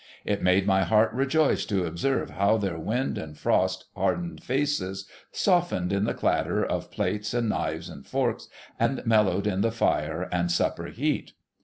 It made my heart rejoice to observe how their wind and frost hardened faces softened in the clatter of plates and knives and forks, and mellowed in the fire and supper heat.